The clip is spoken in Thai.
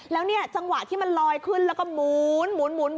แล้วเนี่ยจังหวะที่มันลอยขึ้นแล้วก็หมุน